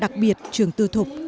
đặc biệt trường tư thục